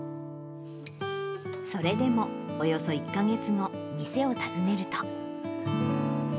それでもおよそ１か月後、店を訪ねると。